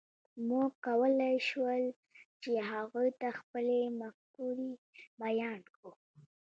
موږ کولی شول، چې هغوی ته خپلې مفکورې بیان کړو.